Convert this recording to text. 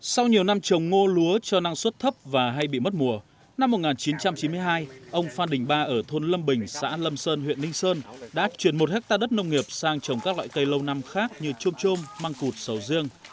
sau nhiều năm trồng ngô lúa cho năng suất thấp và hay bị mất mùa năm một nghìn chín trăm chín mươi hai ông phan đình ba ở thôn lâm bình xã lâm sơn huyện ninh sơn đã chuyển một hectare đất nông nghiệp sang trồng các loại cây lâu năm khác như trôm trôm măng cụt sầu riêng